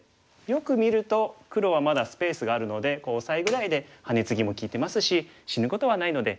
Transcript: よく見ると黒はまだスペースがあるのでオサエぐらいでハネツギも利いてますし死ぬことはないので。